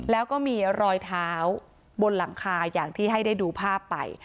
แล้วก็มีรอยเท้าบนหลังคาอย่างที่ให้ได้ดูภาพไป